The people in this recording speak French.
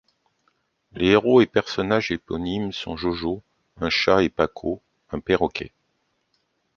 Les héros et personnages éponymes sont Jojo, un chat, et Paco, un perroquet.